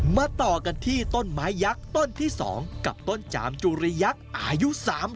มาต่อกันที่ต้นไม้ยักษ์ต้นที่๒กับต้นจามจุริยักษ์อายุ๓๐